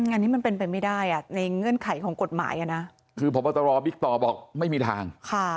อันนี้มันเป็นไปไม่ได้ในเงื่อนไขของกฎหมายคือพบตรบิ๊กต่อบอกไม่มีทาง